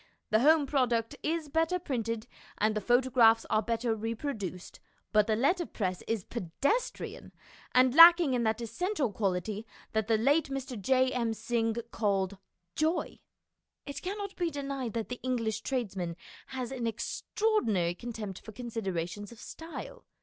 The home product is better printed and the photographs are better repro duced, but the letterpress is pedestrian, and lacking in that essential quality that the late Mr. J. M. Synge called "joy." It cannot be denied that the English tradesman has an extraordinary contempt for considerations of style.